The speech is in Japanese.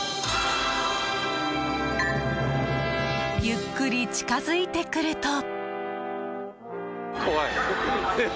ゆっくり近づいてくると。